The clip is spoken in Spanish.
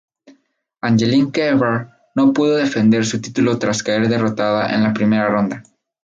Angelique Kerber no pudo defender su título tras caer derrotada en la primera ronda.